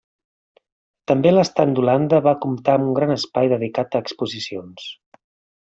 També l'estand d'Holanda va comptar amb un gran espai dedicat a exposicions.